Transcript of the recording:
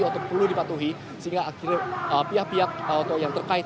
atau perlu dipatuhi sehingga akhirnya pihak pihak yang terkait